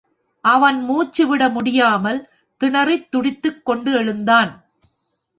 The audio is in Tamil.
அவன் மூச்சு விட முடியாமல் திணறித் துடித்துக் கொண்டு எழுந்தான்.